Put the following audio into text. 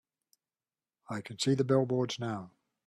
I can see the billboards now.